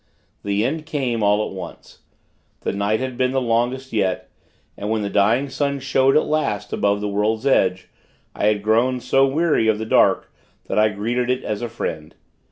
The end came, all at once. The night had been the longest yet; and when the dying sun showed, at last, above the world's edge, I had grown so wearied of the dark, that I greeted it as a friend.